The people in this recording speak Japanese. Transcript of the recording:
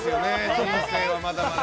人生はまだまだ。